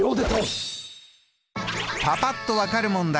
パパっと分かる問題